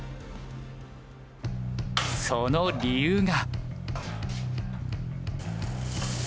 その理由が。